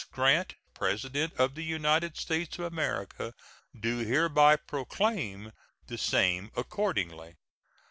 Grant, President of the United States of America, do hereby proclaim the same accordingly.